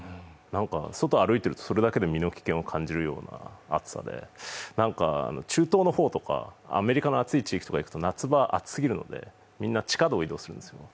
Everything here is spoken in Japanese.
なんか外歩いてると、それだけで身の危険を感じるような暑さで中東の方とか、アメリカの暑い地域とかに行くと、夏場、暑すぎるのでみんな地下道を移動するんですよね。